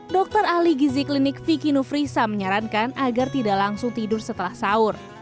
dokter ahli gizi klinik vicky nufrisa menyarankan agar tidak langsung tidur setelah sahur